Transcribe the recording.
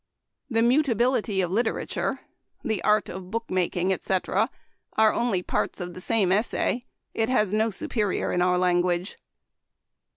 " The Mutability of Literature. — The Art of Book making, etc., are only parts of the same essay ; it has no superior in our lan guage.